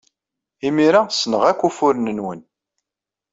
Imir-a, ssneɣ akk ufuren-nwen!